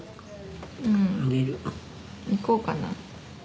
行こうかな。